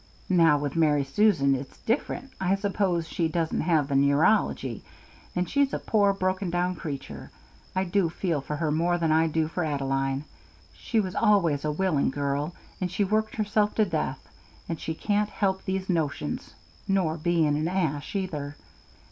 "Now with Mary Susan it's different. I suppose she does have the neurology, and she's a poor broken down creature. I do feel for her more than I do for Adaline. She was always a willing girl, and she worked herself to death, and she can't help these notions, nor being an Ash neither."